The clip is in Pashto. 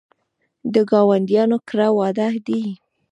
د ګاونډیانو کره واده دی